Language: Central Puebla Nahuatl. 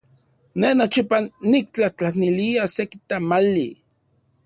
Ne nochipa niktlajtlanilia seki tamali.